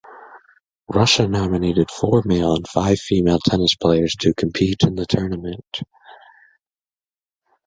Russia nominated four male and five female tennis players to compete in the tournament.